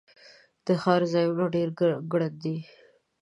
د ښار ځایونه ډیر ګراندي